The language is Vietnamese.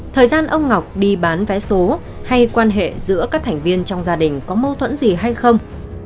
thời gian ông ngọc đi bán vé số hay quan hệ giữa các thành viên trong gia đình có mâu thuẫn gì hay không